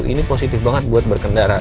ini positif banget buat berkendara